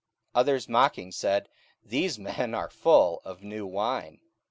44:002:013 Others mocking said, These men are full of new wine.